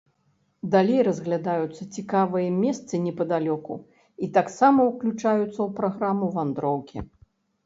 Далей разглядаюцца цікавыя месцы непадалёку і таксама ўключаюцца ў праграму вандроўкі.